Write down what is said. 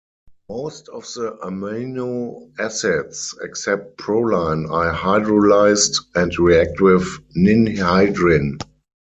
Most of the amino acids, except proline, are hydrolyzed and react with ninhydrin.